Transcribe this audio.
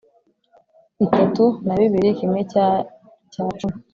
Itatu na bibiri kimwe cya cya cumi